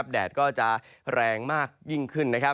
แดดก็จะแรงมากยิ่งขึ้น